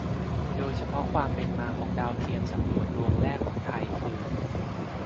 โดยเฉพาะความเป็นมาของดาวเทียมสำรวจดวงแรกของไทยคือ